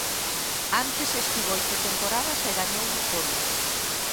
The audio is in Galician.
Antes estivo oito temporadas e gañouno todo.